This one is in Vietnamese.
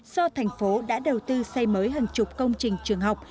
do thành phố đã đầu tư xây mới hàng chục công trình trường học